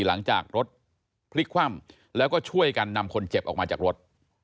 หลังจากรถพลิกคว่ำแล้วก็ช่วยกันนำคนเจ็บออกมาจากรถ